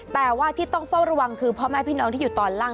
แต่ว่าที่ต้องเฝ้าระวังคือพ่อแม่พี่น้องที่อยู่ตอนล่าง